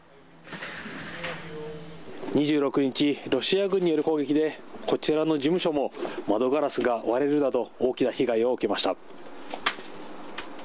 ２６日、ロシア軍による攻撃で、こちらの事務所も窓ガラスが割れるなど、大きな被害を受けました。